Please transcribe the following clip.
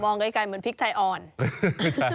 ไกลเหมือนพริกไทยอ่อน